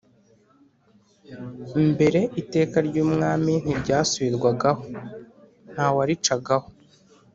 Mbere iteka ry'umwami ntiryasubirwagaho, ntawaricagaho